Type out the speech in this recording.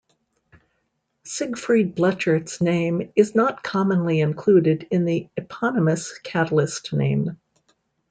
Siegfried Blechert's name is not commonly included in the eponymous catalyst name.